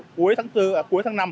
cuối tháng bốn à cuối tháng năm